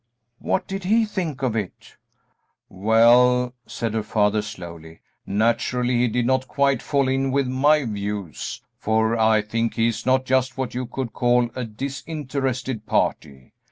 "What did he think of it?" "Well," said her father, slowly, "naturally he did not quite fall in with my views, for I think he is not just what you could call a disinterested party.